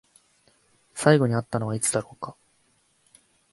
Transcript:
最後に会ったのはいつだろうか？